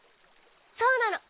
そうなの。